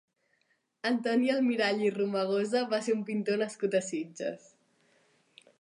Antoni Almirall i Romagosa va ser un pintor nascut a Sitges.